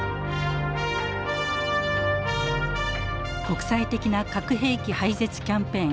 国際的な核兵器廃絶キャンペーン